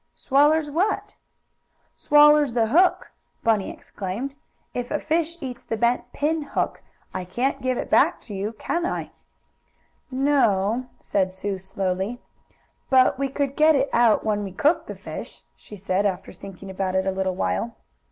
"Swallers what?" "Swallers the hook!" Bunny explained. "If a fish eats the bent pin hook I can't give it back to you; can I?" "No," said Sue slowly. "But we could get it out when we cook the fish," she said, after thinking about it a little while.